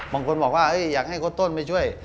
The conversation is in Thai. บางคนบอกว่าอยากให้โค้ดต้นไปช่วย